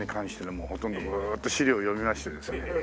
もうほとんどぐーっと資料を読みましてですね。